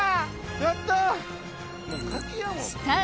やった！